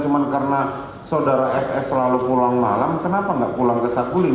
cuma karena saudara fs selalu pulang malam kenapa nggak pulang ke saguling